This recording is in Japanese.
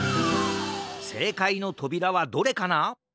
せいかいのとびらはどれかな？